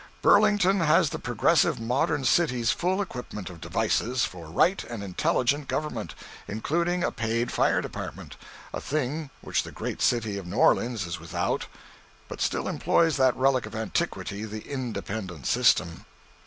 Burlington has the progressive modern city's full equipment of devices for right and intelligent government; including a paid fire department, a thing which the great city of New Orleans is without, but still employs that relic of antiquity, the independent system.